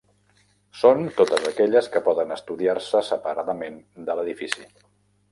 Són totes aquelles que poden estudiar-se separadament de l'edifici.